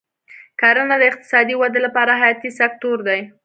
کرنه د اقتصادي ودې لپاره حیاتي سکتور دی.